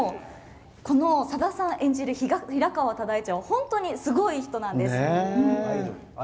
さださん演じる、平川唯一は本当にすごい人なんです。